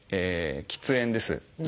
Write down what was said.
喫煙です。